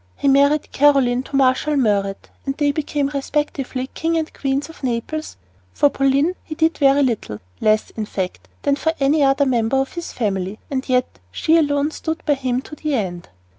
He married Caroline to Marshal Murat, and they became respectively King and Queen of Naples. For Pauline he did very little less, in fact, than for any other member of his family and yet she alone stood by him to the end.